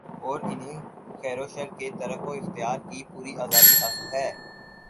اور انھیں خیروشر کے ترک و اختیار کی پوری آزادی حاصل ہے